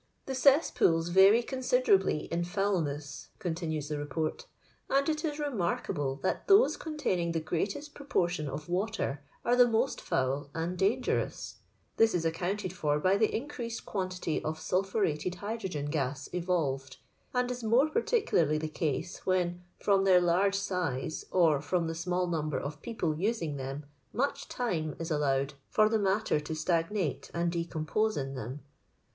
''The cesspools vary consid^ably in foul ness," continues the Beport; "and it %$ remark able thai thote containing tke greate$t proportion of water are the mo$t foul and dangerous This is accounted for by the increased quantity of sul phuretted hydrogen gas evolved : and is more particularly the case where, f^om their large size, or from the small number of people using them, much time is allowed for the matter to stagnate and decompose in them.